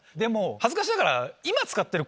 恥ずかしながら。